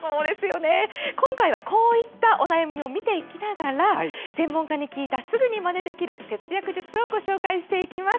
今回はこういったお悩みも見ていきながら専門家に聞いたすぐにまねできる節約術をご紹介していきます。